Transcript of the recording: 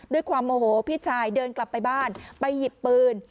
ด้วยความโมโหพี่ชายเดินกลับไปบ้านไปหยิบปืน